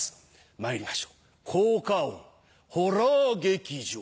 まいりましょう効果音ホラー劇場